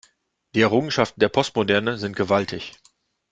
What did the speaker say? Die Errungenschaften der Postmoderne sind gewaltig.